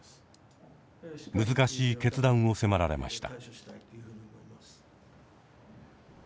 難しい決断を迫られました。